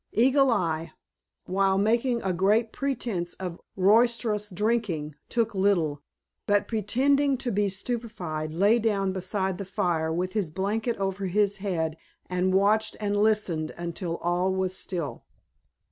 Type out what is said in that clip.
Eagle Eye, while making a great pretense of roisterous drinking, took little, but pretending to be stupefied lay down beside the fire with his blanket over his head and watched and listened until all was still.